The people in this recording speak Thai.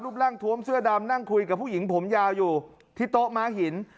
ร่างทวมเสื้อดำนั่งคุยกับผู้หญิงผมยาวอยู่ที่โต๊ะม้าหิน